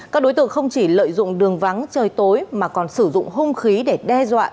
các đối tượng không chỉ lợi dụng đường vắng trời tối mà còn sử dụng hung khí để đe dọa